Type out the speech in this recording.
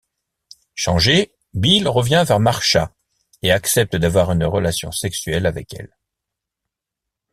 Changé, Bill revient vers Marsha et accepte d'avoir une relation sexuelle avec elle.